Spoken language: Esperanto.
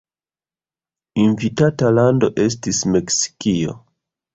Invitata lando estis Meksikio.